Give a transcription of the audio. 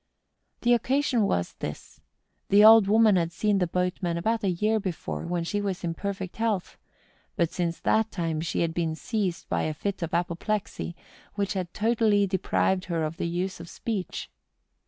The occasion was this, the old woman had seen the boatman about a year before, when she was in perfect health, but since that time she had been seized by a fit of apoplexy, which had totally de¬ prived her of the use of speech.